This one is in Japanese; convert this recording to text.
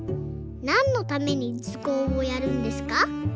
なんのためにずこうをやるんですか？」